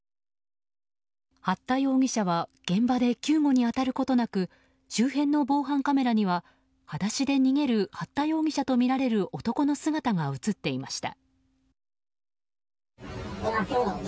八田容疑者は現場で救護に当たることなく周辺の防犯カメラにははだしで逃げる八田容疑者とみられる男の姿が映っていました。